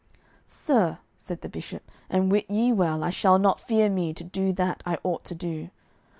"Sir," said the Bishop, "and wit ye well I shall not fear me to do that I ought to do.